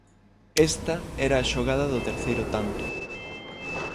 Esta era a xogada do terceiro tanto.